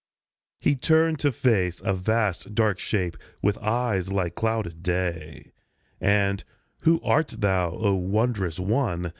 He turned to face a vast dark shape with eyes like clouded day, And, "Who art thou, O wondrous one?"